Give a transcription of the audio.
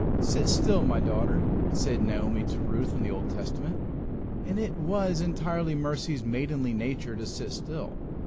"Sit still, my daughter," said Naomi to Ruth in the Old Testament. And it was entirely Mercy's maidenly nature to sit still.